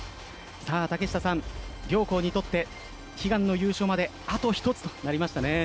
竹下さん、両校にとって悲願の優勝まであと一つとなりましたね。